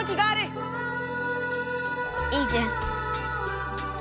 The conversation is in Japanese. いいじゃん。